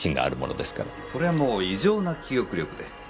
そりゃもう異常な記憶力で。